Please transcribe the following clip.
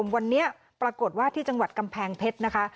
วันนี้ปรากฏว่าที่จังหวัดกำแพงเพชรนะคะ